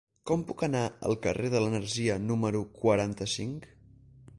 Com puc anar al carrer de l'Energia número quaranta-cinc?